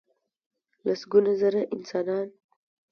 لسګونه زره انسانان .